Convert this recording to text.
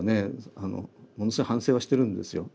あのものすごい反省はしてるんですよ。